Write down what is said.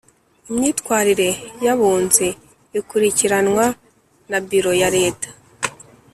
Imyitwarire y Abunzi ikurikiranwa na Biro ya leta